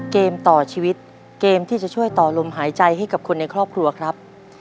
เกมต่อชีวิตเกมที่จะช่วยต่อลมหายใจให้กับคนในครอบครัวครับ